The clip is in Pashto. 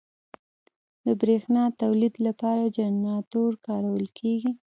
د برېښنا تولید لپاره جنراتور کارول کېږي.